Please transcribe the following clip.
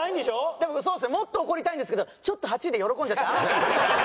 でもそうですねもっと怒りたいんですけどちょっと８位で喜んじゃった。